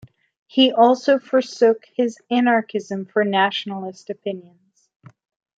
He also forsook his anarchism for nationalist opinions.